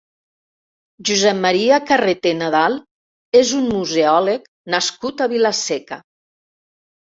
Josep Maria Carreté Nadal és un museòleg nascut a Vila-seca.